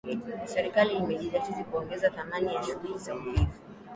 Serikali imejidhatiti kuongeza thamani ya shughuli za uvuvi